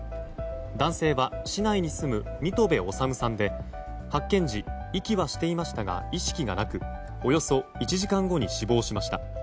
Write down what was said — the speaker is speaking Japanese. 男性は市内に住む三戸部治さんで発見時、息はしていましたが意識はなくおよそ１時間後に死亡しました。